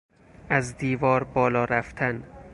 از دیوار بالا رفتن